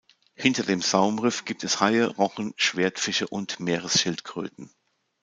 Hinter dem Saumriff gibt es Haie, Rochen, Schwertfische und Meeresschildkröten.